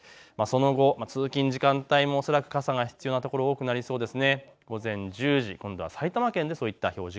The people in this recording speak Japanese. その後、通勤時間帯も恐らく傘が必要なところが多くなりそうです。